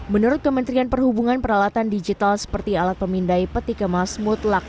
menurut kementerian perhubungan peralatan digital seperti alat pemindai peti kemas mutlak